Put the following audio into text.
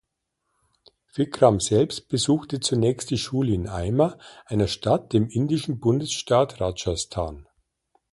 Vikram selbst besuchte zunächst die Schule in Ajmer, einer Stadt im indischen Bundesstaat Rajasthan.